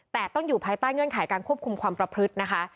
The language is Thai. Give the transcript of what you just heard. แต่ต้องอยู่ภายใต้เงื่อนไขการควบคุมความประพฤตินะคะ